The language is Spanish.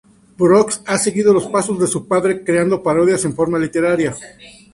Brooks ha seguido los pasos de su padre creando parodias en forma literaria.